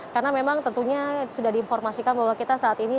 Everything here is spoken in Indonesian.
karena memang tentunya sudah diinformasikan bahwa kita saat ini